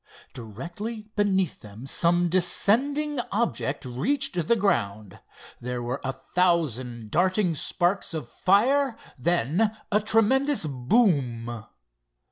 Directly beneath them some descending object reached the ground. There were a thousand darting sparks of fire, then a tremendous boom.